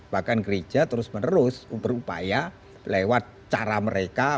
bahkan gereja terus menerus berupaya lewat cara mereka